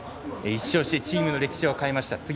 １勝してチームの歴史を変えました。